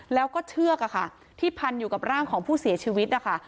แล้วก็เชือกที่พันอยู่กับร่างของผู้เสียชีวิตนะคะ